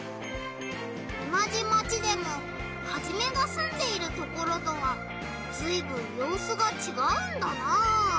おなじマチでもハジメがすんでいるところとはずいぶんようすがちがうんだな。